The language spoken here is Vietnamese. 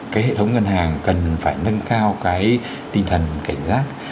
cái hệ thống ngân hàng cần phải nâng cao cái tinh thần cảnh giác